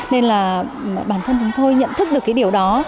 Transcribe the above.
nên là bản thân chúng tôi nhận thức được cái điều đó